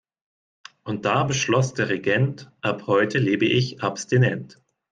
Und da beschloss der Regent: Ab heute lebe ich abstinent.